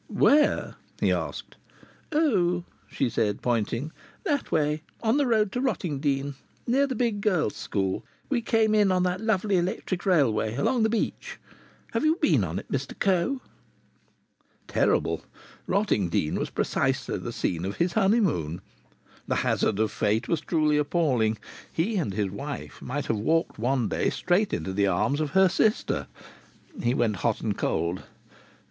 "Where?" he asked. "Oh!" she said, pointing. "That way. On the road to Rottingdean. Near the big girls' school. We came in on that lovely electric railway along the beach. Have you been on it, Mr Coe?" Terrible! Rottingdean was precisely the scene of his honeymoon. The hazard of fate was truly appalling. He and his wife might have walked one day straight into the arms of her sister! He went hot and cold.